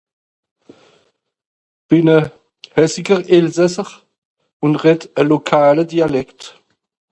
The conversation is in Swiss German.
Bén a Häsiger Elssaser, un rèd a lokàla dialekt.